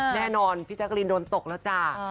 แน่นอนพี่แจ๊กรีนโดนตกแล้วจ้า